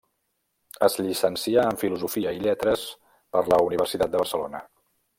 Es llicencià en Filosofia i Lletres per la Universitat de Barcelona.